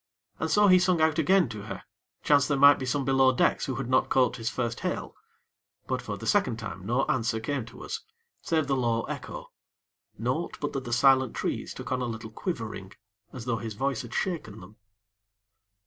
And so he sung out again to her, chance there might be some below decks who had not caught his first hail; but, for the second time, no answer came to us, save the low echo naught, but that the silent trees took on a little quivering, as though his voice had shaken them.